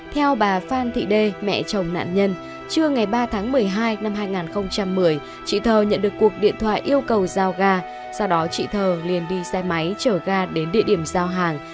theo bà phan thị đê mẹ chồng nạn nhân trưa ngày ba tháng một mươi hai năm hai nghìn một mươi chị thơ nhận được cuộc điện thoại yêu cầu giao ga sau đó chị thơ liền đi xe máy chở ga đến địa điểm giao hàng